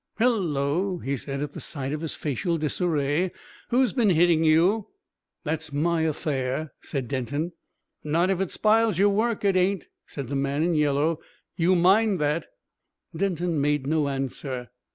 "Hello!" he said, at the sight of his facial disarray. "Who's been hitting you?" "That's my affair," said Denton. "Not if it spiles your work, it ain't," said the man in yellow. "You mind that." Denton made no answer.